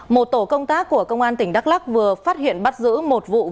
một tổ công tác của công an tỉnh đắk lắc vừa phát hiện bắt giữ một vụ vận chuyển